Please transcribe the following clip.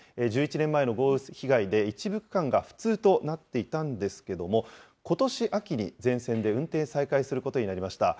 １１年前の豪雨被害で、一部区間が不通となっていたんですけれども、ことし秋に全線で運転再開することになりました。